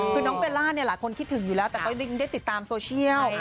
คือน้องเบลล่าเนี่ยหลายคนคิดถึงอยู่แล้วแต่ก็ได้ติดตามโซเชียล